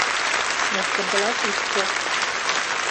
Мушкындылаш ит тошт!